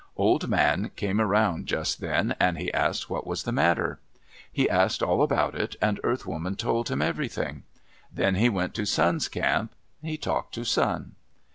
Old Man came around just then, and he asked what was the matter. He asked all about it and Earth Woman told him everything. Then he went to Sun's camp. He talked to Sun.